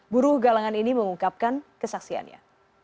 buruh galangan ini mengungkapkan kesaksiannya